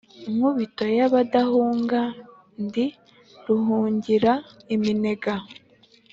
Nkubito y’abadahunga, ndi Ruhungira iminega